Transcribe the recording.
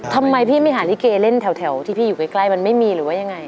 ทำไมพี่ไม่หาลิเกเล่นแถวที่พี่อยู่ใกล้มันไม่มีหรือว่ายังไง